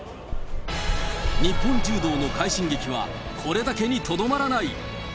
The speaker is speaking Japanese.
日本柔道の快進撃は、これだけにとどまらない。